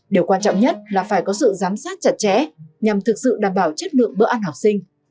điều quan trọng nhất là phải có sự giám sát chặt chẽ nhằm thực sự đảm bảo chất lượng bữa ăn học sinh